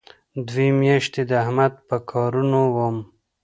دوې میاشتې د احمد په کارونو وم.